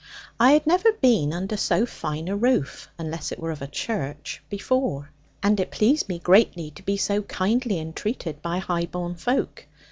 I had never been under so fine a roof (unless it were of a church) before; and it pleased me greatly to be so kindly entreated by high born folk.